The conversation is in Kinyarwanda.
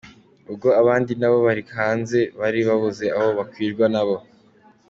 Kuri ubu, itanga serivisi zitandukanye zirimo gutanga inguzanyo, kubitsa n’ibindi.